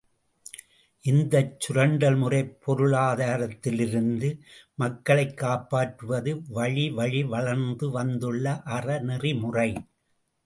இந்தச் சுரண்டல்முறைப் பொருளாதாரத்திலிருந்து மக்களைக் காப்பாற்றுவது வழிவழி வளர்ந்து வந்துள்ள அறநெறிமுறை!